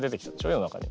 世の中に。